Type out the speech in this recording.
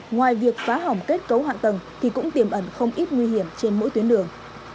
ngoài việc phá hỏng kết cấu hạ tầng thì cũng tiềm ẩn không ít nguy hiểm trên mỗi tuyến đường